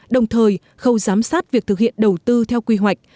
đồng thời khâu giám sát việc thực hiện đầu tư theo quy hoạch